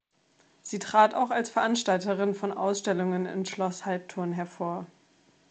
Sie trat auch als Veranstalterin von Ausstellungen in Schloss Halbturn hervor.